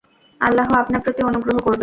আল্লাহ আপনার প্রতি অনুগ্রহ করবেন।